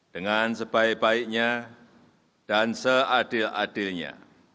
dengan sebaik baiknya dan seadil adilnya